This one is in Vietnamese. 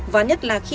và nhất là khi